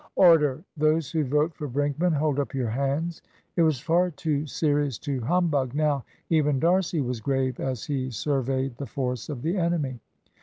"Order! Those who vote for Brinkman, hold up your hands." It was far too serious to humbug now. Even D'Arcy was grave as he surveyed the force of the enemy.